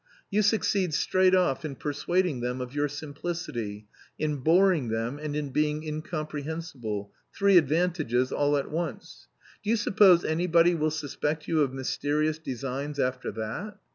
You succeed straight off in persuading them of your simplicity, in boring them and in being incomprehensible three advantages all at once! Do you suppose anybody will suspect you of mysterious designs after that?